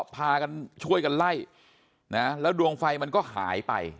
พากันช่วยกันไล่นะแล้วดวงไฟมันก็หายไป